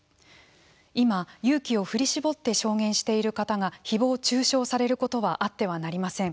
今、勇気を振り絞って証言している方がひぼう中傷されることはあってはなりません。